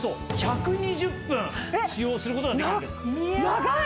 長い！